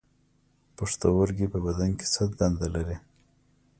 پښتورګي په بدن کې څه دنده لري